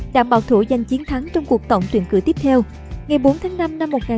đảm bảo thủ giành chiến thắng trong cuộc tổng tuyển cử tiếp theo ngày bốn tháng năm năm một nghìn chín trăm bảy mươi năm